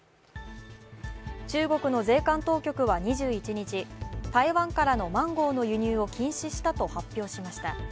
中国の税関当局は２１日、台湾からのマンゴーの輸入を禁止したと発表しました。